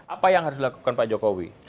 apa yang harus dilakukan pak jokowi